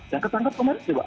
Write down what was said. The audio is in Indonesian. yang ketangkap kemarin coba